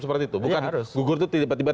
seperti itu bukan gugur itu tiba tiba